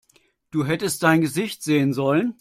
Du hättest dein Gesicht sehen sollen!